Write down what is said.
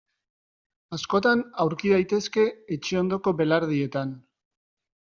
Askotan aurki daitezke etxe ondoko belardietan.